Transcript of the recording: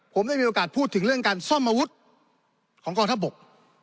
ผมได้มีโอกาสพูดถึงเรื่องการซ่อมอาวุธของกองทัพบก